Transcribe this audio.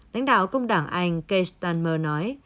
lãnh đạo công đảng anh keir starmer nói